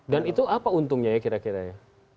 dan itu apa untungnya ya kira kira ya